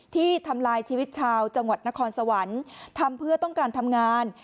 ที่ทำลายชีวิตชาวจังหวัดนครสวรรค์ทำเพื่อต้องการทำงาน